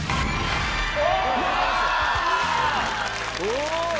お！